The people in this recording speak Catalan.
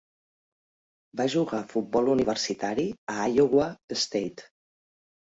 Va jugar futbol universitari a Iowa State.